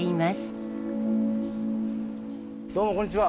どうもこんにちは。